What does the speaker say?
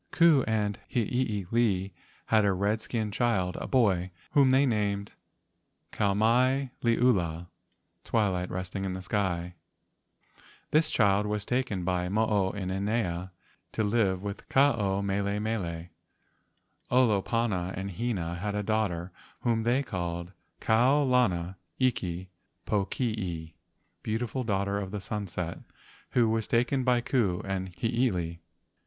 Ku and Hiilei had a red¬ skin child, a boy, whom they named Kau mai liula (twilight resting in the sky). This child was taken by Mo o inanea to Ke alohi lani to live with Ke ao mele mele. Olopana and Hina had a daughter whom they called Kau lana iki pokii (beautiful daughter of sunset), who was taken by Ku and Hiilei.